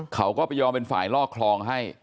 เขาก็ไปยอมเป็นฝ่ายลอกคลองให้